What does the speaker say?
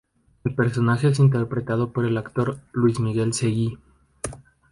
El personaje es interpretado por el actor Luis Miguel Seguí.